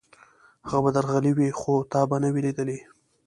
هغه به درغلی وي، خو تا به نه وي لېدلی.